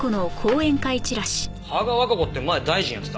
芳賀和香子って前大臣やってた？